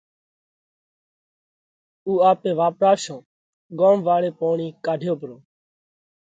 اُو آپي واپراشون ڳوم واۯي پوڻِي ڪاڍيو پرو